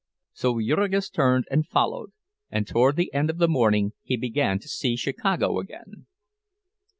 So Jurgis turned and followed, and toward the end of the morning he began to see Chicago again.